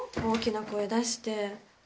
大きな声出して。